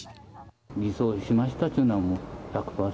偽装しましたというのは、もう１００％